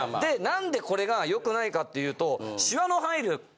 何でこれが良くないかっていうと。